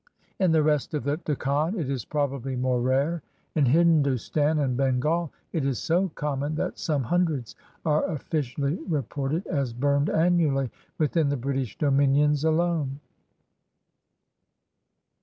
In the rest of the Deckan it is probably more rare. In Hindostan and Bengal it is so common that some hundreds are officially reported as burned annually within the British dominions alone.